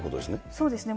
そうですね。